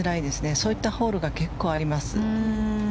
そういったホールが結構あります。